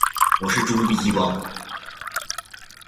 我是猪鼻吧